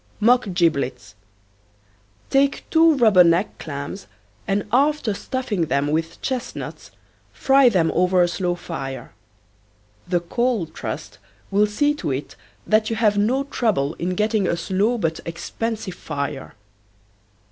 MOCK GIBLETS. Take two rubber neck clams and after stuffing them with chestnuts fry them over a slow fire. The Coal Trust will see to it that you have no trouble in getting a slow but expensive fire.